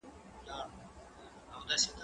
زه به سينه سپين کړی وي،